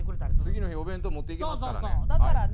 次の日お弁当持っていけますからね。